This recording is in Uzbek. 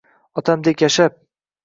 Otamdek yashab